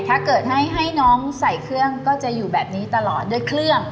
ถ้าเกิดให้น้องใส่เครื่องก็จะอยู่แบบนี้ตลอดด้วยเครื่อง